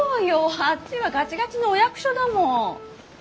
あっちはガチガチのお役所だもん。